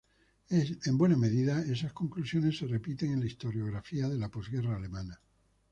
En buena medida, esas conclusiones se repiten en la historiografía de la posguerra alemana.